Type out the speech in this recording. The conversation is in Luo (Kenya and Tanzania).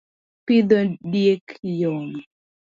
pidho diek yom